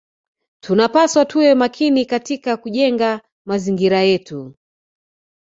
Tunapaswa tuwe makini katika kujenga mazingira yetu